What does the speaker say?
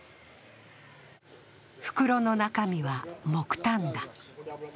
袋の中身は、木炭だ。